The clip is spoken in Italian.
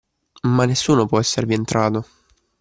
Ma nessuno può esservi entrato!